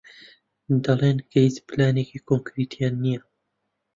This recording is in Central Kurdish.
دەڵێن کە هیچ پلانێکی کۆنکریتییان نییە.